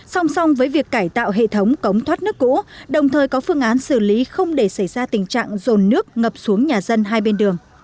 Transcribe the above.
song song với việc cải tạo hệ thống cống thoát nước cũ đồng thời có phương án xử lý không để xảy ra tình trạng dồn nước ngập xuống nhà dân hai bên đường